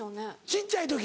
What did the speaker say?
小っちゃい時。